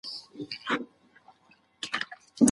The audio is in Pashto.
موږ بايد د هغوی کارنامې په طلايي کرښو وليکو.